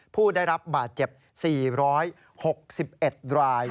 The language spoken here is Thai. ผู้ได้รับบาดเจ็บ๔๖๑ราย